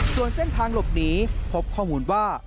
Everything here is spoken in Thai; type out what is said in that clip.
ส่วนเส้นทางหลบหนีพบข้อมูลว่า